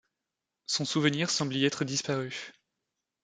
Son souvenir semble y être disparu.